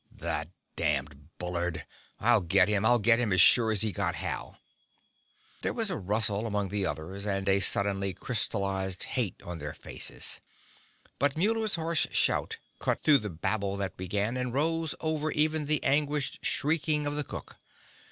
"That damned Bullard! I'll get him, I'll get him as sure as he got Hal!" There was a rustle among the others, and a suddenly crystallized hate on their faces. But Muller's hoarse shout cut through the babble that began, and rose over even the anguished shrieking of the cook.